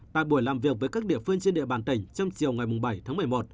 tại buổi làm việc với các địa phương trên địa bàn tỉnh trong chiều ngày bảy tháng một mươi một